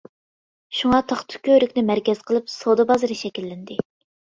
شۇڭا تاختا كۆۋرۈكنى مەركەز قىلىپ، سودا بازىرى شەكىللەندى.